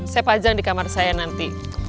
saya pajang di kamar saya nanti